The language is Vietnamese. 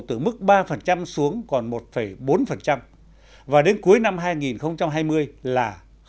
từ mức ba xuống còn một bốn và đến cuối năm hai nghìn hai mươi là